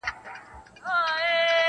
که مرغه وو که ماهی د ده په کار وو -